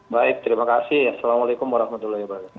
baik terima kasih assalamualaikum warahmatullahi wabarakatuh